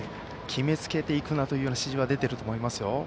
決めつけていくなという指示は出ていると思いますよ。